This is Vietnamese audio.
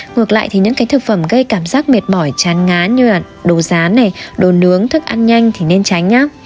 ngược lại thì những cái thực phẩm gây cảm giác mệt mỏi chán ngán như là đồ rán này đồ nướng thức ăn nhanh thì nên tránh nhé